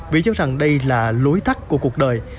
vì cho rằng đây là lối tắt của cuộc đời